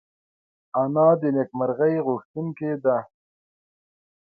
انا د نېکمرغۍ غوښتونکې ده